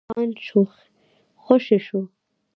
مولوي نجف علي خان خوشي شو.